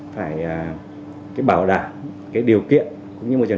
phải bảo đảm điều kiện cũng như môi trường